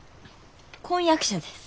婚約者です。